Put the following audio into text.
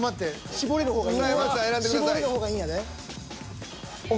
絞れる方がいいんやで。